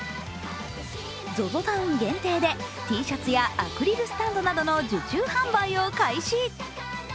ＺＯＺＯＴＯＷＮ限定でＴシャツやアクリルスタンドなどの受注販売を開始。